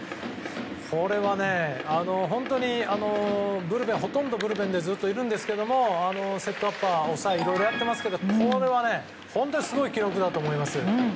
これはほとんどブルペンでずっといるんですがセットアッパー、抑えといろいろやっていますがこれは本当にすごい記録だと思います。